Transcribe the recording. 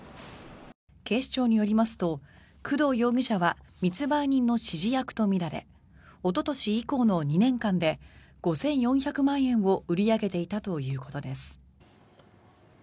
警視庁によりますと工藤容疑者は密売人の指示役とみられおととし以降の２年間で５４００万円を売り上げていたということです。